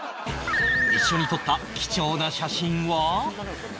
一緒に撮った貴重な写真は